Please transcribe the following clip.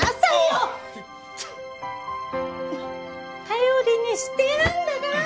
頼りにしてるんだから！